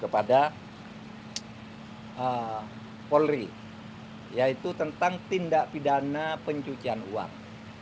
kepada polri yaitu tentang tindak pidana pencucian uang